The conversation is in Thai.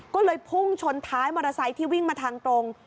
ก็เลยพุ่งชนท้ายมอเตอร์ไซค์ที่วิ่งมาทางตรง